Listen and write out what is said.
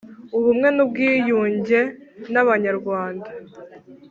Ubumwe n’ubwiyunge by’abanyarwanda,